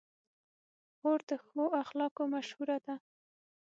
خور د ښو اخلاقو مشهوره ده.